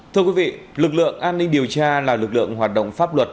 thưa quý vị lực lượng an ninh điều tra là lực lượng hoạt động pháp luật